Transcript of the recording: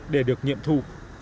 để được nghiệm thu